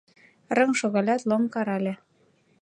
— рыҥ шогалят, Лом карале.